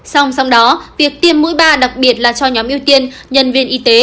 song song đó việc tiêm mũi ba đặc biệt là cho nhóm ưu tiên nhân viên y tế